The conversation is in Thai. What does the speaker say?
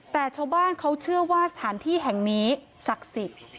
แต่ชาวบ้านเขาเชื่อว่าสถานที่แห่งนี้ศักดิ์สิทธิ์